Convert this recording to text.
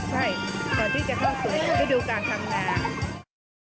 ใช่ก่อนที่จะเข้าสู่ฤดูการทำงาน